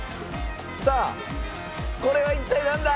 さあこれは一体なんだ？